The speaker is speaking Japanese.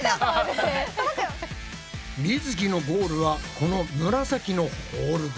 みづきのゴールはこの紫のホールド。